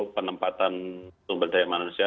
penempatan sumber daya manusia